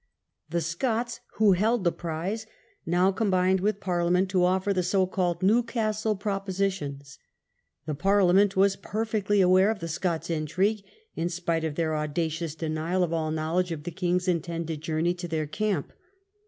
The Scots, who held the prize, now combined with Parliament to offer the so called "Newcastle Proposi Newcaatie tlons". The Parliament was perfectly aware Propositions, of the Scots' intrigue, in spite of their auda juiy, 1646. cious denial of all knowledge of the king's intended journey to their camp.